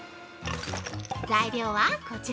材料はこちら。